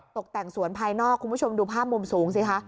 ตกแต่งสวนภายนอกคุณผู้ชมดูภาพมุมสูงสิคะ